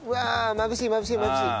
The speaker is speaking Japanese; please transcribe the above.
まぶしいまぶしいまぶしい！」。